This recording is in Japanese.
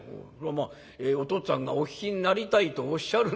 「まあお父っつぁんがお聞きになりたいとおっしゃる。